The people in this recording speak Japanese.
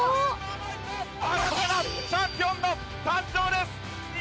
新たなチャンピオンの誕生です。